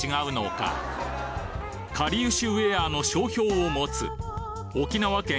かりゆしウエアの商標を持つ沖縄県